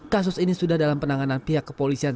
kasus ini sudah dalam penanganan pihak kepolisian